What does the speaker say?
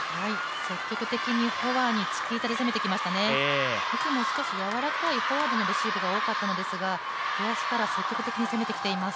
積極的にフォアにチキータに攻めてきましたね、いつも少しやわらかいカーブのレシーブが多かったのですが出足から積極的に攻めてきています。